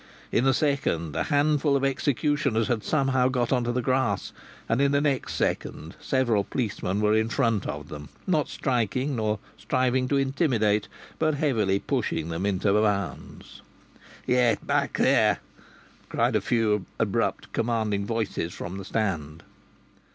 In a second a handful of executioners had somehow got on to the grass. And in the next second several policemen were in front of them, not striking nor striving to intimidate, but heavily pushing them into bounds. "Get back there!" cried a few abrupt, commanding voices from the stand.